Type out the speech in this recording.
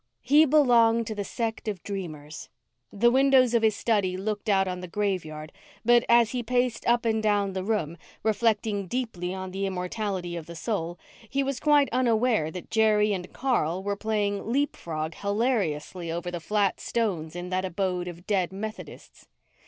He belonged to the sect of dreamers. The windows of his study looked out on the graveyard but, as he paced up and down the room, reflecting deeply on the immortality of the soul, he was quite unaware that Jerry and Carl were playing leap frog hilariously over the flat stones in that abode of dead Methodists.